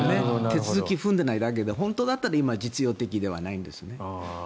手続きを踏んでいないだけで本当だったら実用的ではないんですね。